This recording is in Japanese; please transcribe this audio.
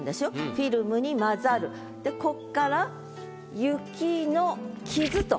「フィルムに雑ざる」でこっから「雪の傷」と。